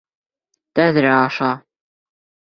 Тәҙрә аша!